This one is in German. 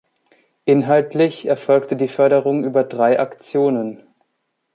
Inhaltlich erfolgte die Förderung über drei „Aktionen“.